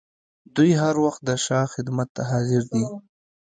دوی هر وخت د شاه خدمت ته حاضر دي.